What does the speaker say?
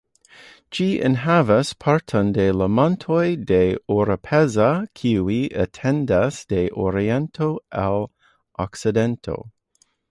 Ĝi enhavas parton de la montoj de Oropesa kiuj etendas de oriento al okcidento.